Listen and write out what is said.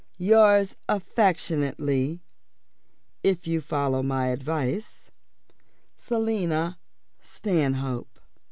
"Yours affectionately (if you follow my advice), "SELINA STANHOPE."